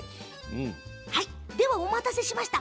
お待たせしました。